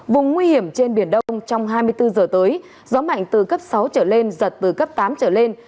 vùng nguy hiểm trên biển đông trong hai mươi bốn giờ tới gió mạnh từ cấp sáu trở lên giật từ cấp tám trở lên